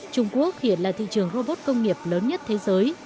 trung quốc hiện là thị trường robot công nghiệp lớn nhất thế giới